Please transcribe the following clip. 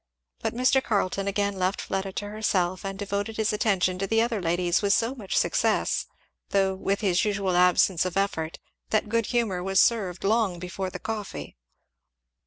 But Mr. Carleton again left Fleda to herself and devoted his attention to the other ladies, with so much success, though with his usual absence of effort, that good humour was served long before the coffee.